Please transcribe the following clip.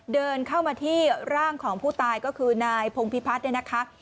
เดินเข้ามาที่ร่างของผู้ตายก็คือนายพงพิพัฒน์เนี่ยนะคะ